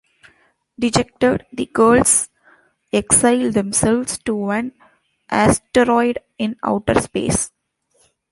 Dejected, the girls exile themselves to an asteroid in outer space.